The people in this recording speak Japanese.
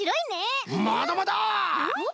まだまだ！え！？